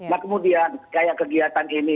nah kemudian kayak kegiatan ini